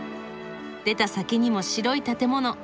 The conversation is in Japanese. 出た先にも白い建物。